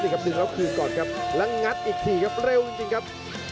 นี่ครับดึงแล้วคืนก่อนครับแล้วงัดอีกทีครับเร็วจริงครับ